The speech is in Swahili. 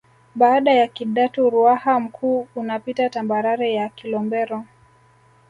Baada ya Kidatu Ruaha Mkuu unapita tambarare ya Kilombero